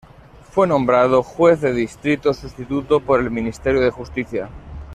Fue nombrado Juez de Distrito Sustituto por el Ministerio de Justicia.